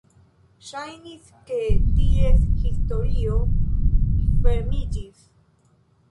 Ŝajnis, ke ties historio fermiĝis.